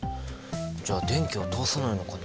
じゃあ電気は通さないのかな？